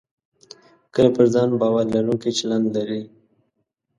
کله پر ځان باور لرونکی چلند لرئ